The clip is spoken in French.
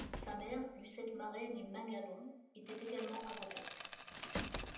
Sa mère, Lucette Maret née Mingalon, était également avocate.